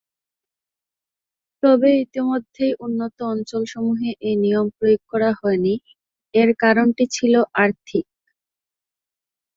তবে ইতোমধ্যেই উন্নত অঞ্চলসমূহে এই নিয়ম প্রয়োগ করা হয়নি, এর কারণটি ছিল আর্থিক।